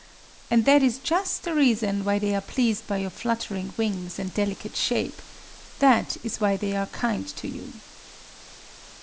And that is just the reason why they are pleased by your fluttering wings and delicate shape;—that is why they are kind to you.